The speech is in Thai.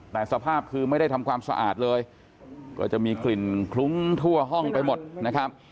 แต่สภาพคือไม่ได้ทำความสะอาดเลยก็จะมีกลิ่นคลุ้งทั่วห้องไปหมดนะครับ